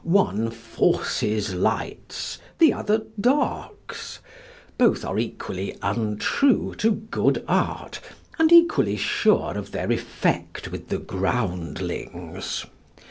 One forces lights, the other darks; both are equally untrue to good art, and equally sure of their effect with the groundlings.